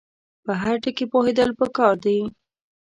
په هر ټکي پوهېدل پکار دي.